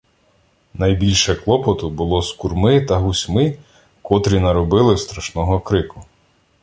Найбільше клопоту було з курми та гусьми, котрі наробили страшного крику.